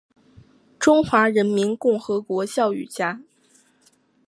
中华人民共和国教育家。